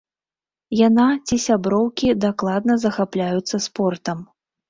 Яна ці сяброўкі дакладна захапляюцца спортам.